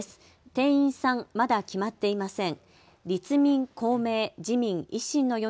定員３、まだ決まっていません。